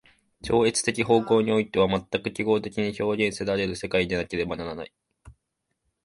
超越的方向においては全く記号的に表現せられる世界でなければならない。